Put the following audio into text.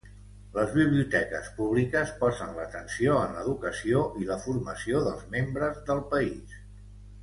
Les biblioteques públiques posen l'atenció en l'educació i la formació dels membres del país.